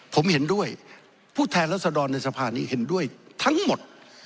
ผมเห็นด้วยผู้แทนรัศดรในสภานี้เห็นด้วยทั้งหมด